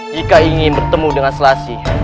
jika ingin bertemu dengan selasih